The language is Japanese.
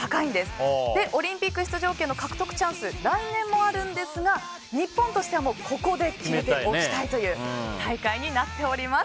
更にオリンピック出場権の獲得チャンスは来年もありますが日本としてはここで決めておきたい大会になっております。